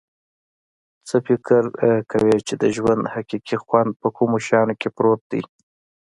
څه فکر کویچې د ژوند حقیقي خوند په کومو شیانو کې پروت ده